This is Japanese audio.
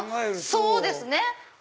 そうですね。